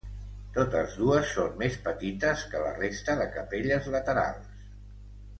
Totes dues són més petites que la resta de capelles laterals.